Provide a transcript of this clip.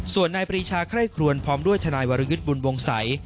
ส่วนนายปรีชาไคร่ครวนพร้อมด้วยทนายวรยุทธ์บุญวงศัย